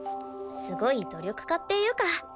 すごい努力家っていうか。